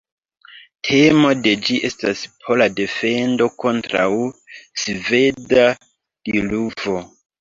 Temo de ĝi estas pola defendo kontraŭ sveda diluvo.